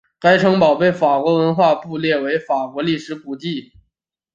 该城堡被法国文化部列为法国历史古迹。